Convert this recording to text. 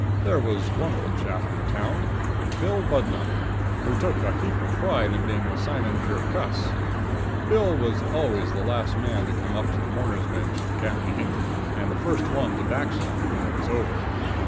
There was one old chap in the town Bill Budlong who took a heap of pride in being the simon pure cuss. Bill was always the last man to come up to the mourners' bench at the camp meeting and the first one to backslide when it was over.